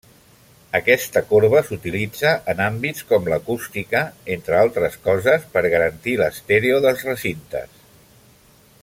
Aquesta corba s'utilitza en àmbits com l'acústica, entre altres coses, per garantir l'estèreo dels recintes.